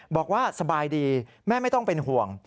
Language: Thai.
บอกว่าสบายดีแม่ไม่ต้องเป็นห่วง